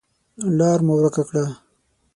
لار مو ورکه کړه .